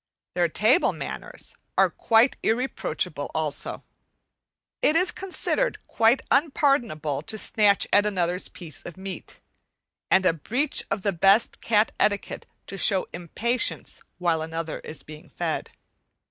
Their table manners are quite irreproachable also. It is considered quite unpardonable to snatch at another's piece of meat, and a breach of the best cat etiquette to show impatience while another is being fed.